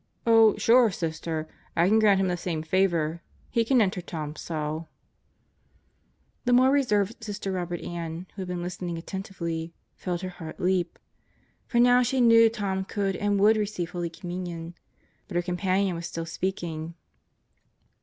Oh, sure, Sister, I can grant him the same favor. He can enter Tom's cell." The more reserved Sister Robert Ann, who had been listening attentively, felt her heart leap; for now she knew Tom could and would receive Holy Communion. But her companion was still speaking.